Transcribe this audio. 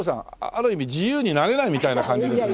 ある意味自由になれないみたいな感じがするな。